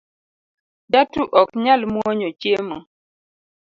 Jatu ok nyal mwonyo chiemo